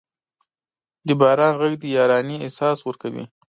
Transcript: د باران ږغ د یارانې احساس ورکوي.